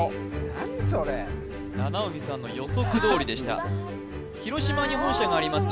何それ七海さんの予測どおりでした・あった広島に本社があります